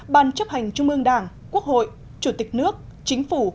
ban chấp hành trung ương đảng quốc hội chủ tịch nước chính phủ